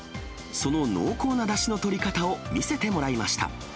その濃厚なだしの取り方を見せてもらいました。